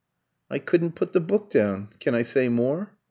"I couldn't put the book down. Can I say more?"